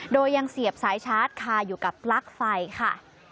โดยยังเสียบสายชาร์จคาอยู่กับปลั๊กไฟค่ะ